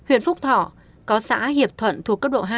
huyện phúc thọ có xã hiệp thuận thuộc cấp độ hai